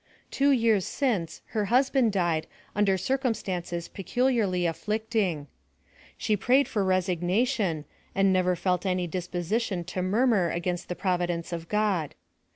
Two years since her husband died under circumstances peculiarly afllicting. She prayed for resignation, and never felt any disposition to murmur against the provi dence of God.